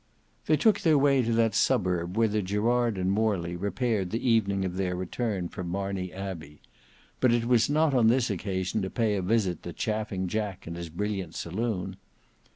They took their way to that suburb whither Gerard and Morley repaired the evening of their return from Marney Abbey; but it was not on this occasion to pay a visit to Chaffing Jack and his brilliant saloon.